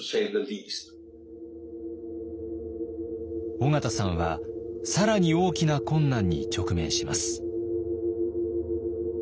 緒方さんは更に大きな困難に直面します。